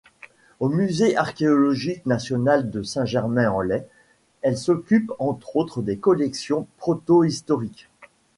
Au Musée Archéologique National de Saint-Germain-en-Laye, elle s'occupe entre autres des collections protohistoriques.